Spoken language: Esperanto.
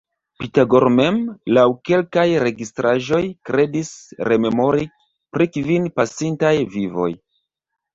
Pitagoro mem, laŭ kelkaj registraĵoj, kredis rememori pri kvin pasintaj vivoj.